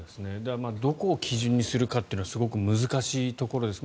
どこを基準にするかというのがすごく難しいところです。